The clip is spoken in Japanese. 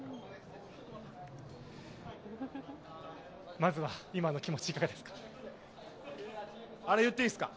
まずは今の気持ちいかがですか。